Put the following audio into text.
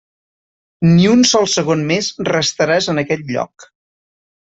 Ni un sol segon més restaràs en aquest lloc.